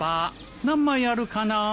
何枚あるかな？